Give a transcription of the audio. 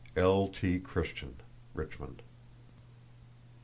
—(L.T. Christian, Richmond.)